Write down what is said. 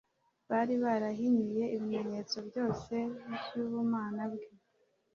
Bari barahinyuye ibimenyetso byose by'ubumana bwe,